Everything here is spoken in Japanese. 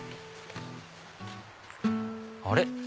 あれ？